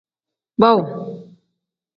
Baawu.